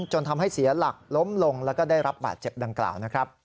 จนทำให้เสียหลักล้มลงแล้วก็ได้รับบาดเจ็บดังกล่าวนะครับ